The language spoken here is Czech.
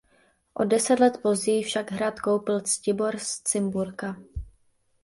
O deset let později však hrad koupil Ctibor z Cimburka.